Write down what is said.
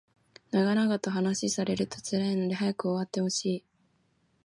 長々と話されると辛いので早く終わってほしい